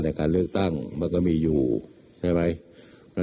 ในการเลือกตั้งมันก็มีอยู่ใช่ไหม